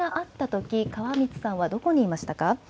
地震があったとき川満さんはどこにいましたか。